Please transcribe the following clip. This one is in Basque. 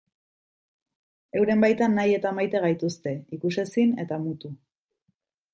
Euren baitan nahi eta maite gaituzte, ikusezin eta mutu.